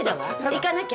行かなきゃ！